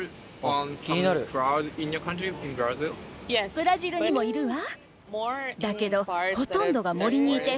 ブラジルにもいるわ。